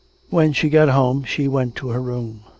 When she got home she went to her room.